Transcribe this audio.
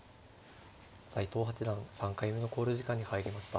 斎藤八段３回目の考慮時間に入りました。